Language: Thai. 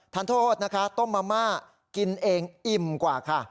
ท่านโทษนะคะต้มมะม่ากินเองอิ่มกว่าค่ะ